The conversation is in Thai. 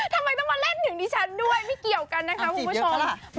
ทำไมต้องมาเล่นถึงดิฉันด้วยไม่เกี่ยวกันนะคะคุณผู้ชม